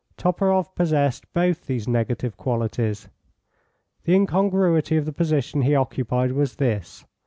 Toporoff possessed both these negative qualities. The incongruity of the position he occupied was this.